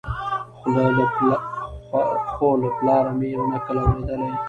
خو له پلاره مي یو نکل اورېدلی